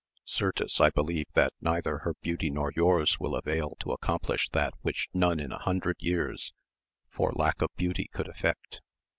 Certes I believe that neither her beauty nor yours will avail to accomplish that which none in a hundred years for lack of beauty could effect.